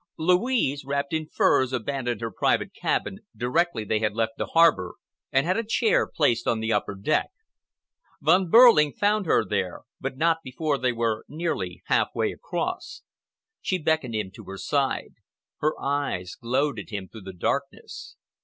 Louise, wrapped in furs, abandoned her private cabin directly they had left the harbor, and had a chair placed on the upper deck. Von Behrling found her there, but not before they were nearly half way across. She beckoned him to her side. Her eyes glowed at him through the darkness.